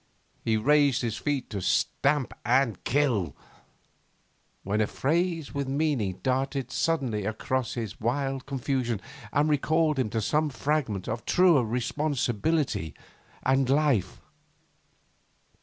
He raised his feet to stamp and kill ... when a phrase with meaning darted suddenly across his wild confusion and recalled him to some fragment of truer responsibility and life.